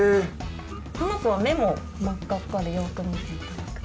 この子は目も真っ赤っかでよく見ていただくと。